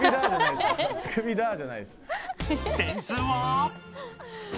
点数は。